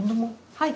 はい。